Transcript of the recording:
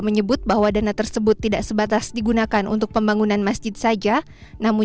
menyebut bahwa dana tersebut tidak sebatas digunakan untuk pembangunan masjid saja namun